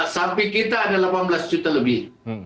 sampai kita ada delapan belas juta lebih